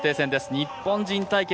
日本人対決。